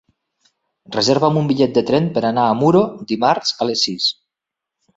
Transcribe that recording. Reserva'm un bitllet de tren per anar a Muro dimarts a les sis.